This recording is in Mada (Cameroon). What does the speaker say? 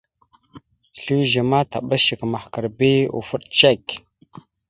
Slʉze ma taɓas shek mahəkar bi ufaɗ cek.